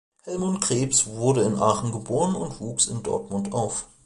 Helmut Krebs wurde in Aachen geboren und wuchs in Dortmund auf.